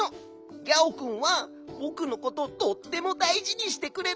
ギャオくんはぼくのこととってもだいじにしてくれるんだ。